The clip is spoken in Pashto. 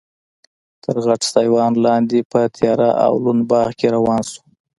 تر غټ سایبان لاندې په تیاره او لوند باغ کې روان شوو.